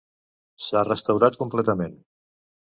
S'ha restaurat completament.